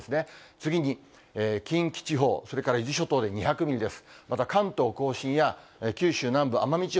次に、近畿地方、それから伊豆諸島で２００ミリです。